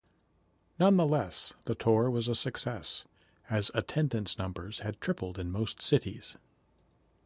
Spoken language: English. Nonetheless, the tour was a success, as attendance numbers had tripled in most cities.